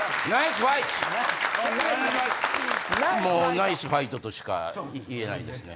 ナイスファイト！としか言えないですね。